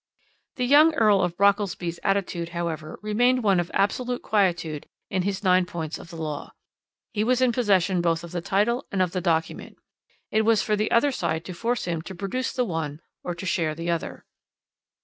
"The young Earl of Brockelsby's attitude, however, remained one of absolute quietude in his nine points of the law. He was in possession both of the title and of the document. It was for the other side to force him to produce the one or to share the other.